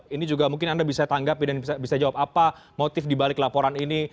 ini juga mungkin anda bisa tanggapi dan bisa jawab apa motif dibalik laporan ini